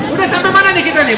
udah sampai mana nih kita nih